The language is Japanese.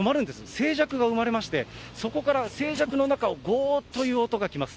静寂が生まれまして、そこから静寂の中をごーっという音が来ます。